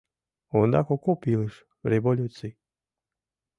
Ондак окоп илыш, революций.